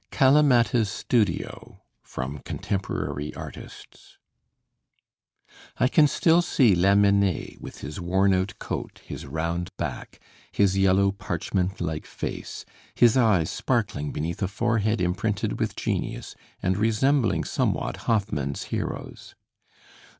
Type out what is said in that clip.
CALAMATTA'S STUDIO From 'Contemporary Artists' I can still see Lamennais, with his worn out coat, his round back, his yellow, parchment like face, his eyes sparkling beneath a forehead imprinted with genius, and resembling somewhat Hoffmann's heroes.